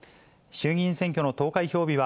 衆議院選挙の投開票日は、